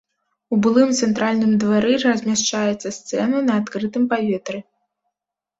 У былым цэнтральным двары размяшчаецца сцэна на адкрытым паветры.